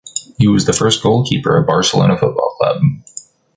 He was the first goalkeeper of Barcelona Football Club.